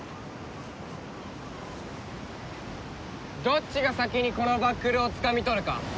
どっちが先にこのバックルをつかみ取るか。